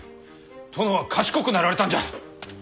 殿は賢くなられたんじゃ。